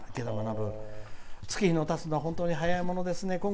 月日のたつのは本当に早いものですね。